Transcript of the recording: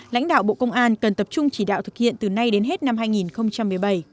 lãnh đạo bộ công an cần tập trung chỉ đạo thực hiện từ nay đến hết năm hai nghìn một mươi bảy